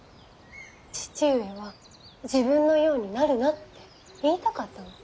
義父上は自分のようになるなって言いたかったの。